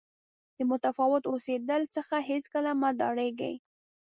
د متفاوت اوسېدلو څخه هېڅکله مه ډارېږئ.